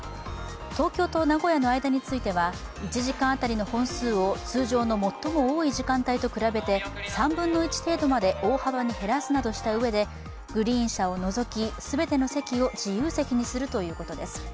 東京と名古屋の間については１時間当たりの本数を通常の最も多い時間帯と比べて、３分の１程度まで大幅に減らすなどしたうえでグリーン車を除き全ての席を自由席にするということです。